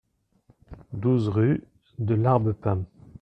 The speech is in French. douze rue de l'Arbepin